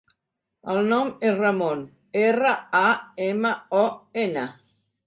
El nom és Ramon: erra, a, ema, o, ena.